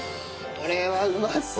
これはうまそう！